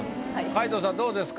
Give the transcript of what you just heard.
皆藤さんどうですか？